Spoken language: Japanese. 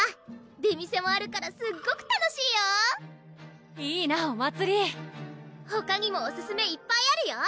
出店もあるからすっごく楽しいよいいなお祭りほかにもオススメいっぱいあるよ